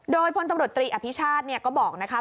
โดยพลตบรตรีอภิชาธิ์เนี่ยก็บอกนะคะ